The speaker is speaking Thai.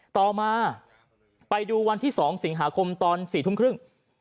ต่อมาไปดูวันที่๒สิงหาคมตอน๔ทุ่มครึ่ง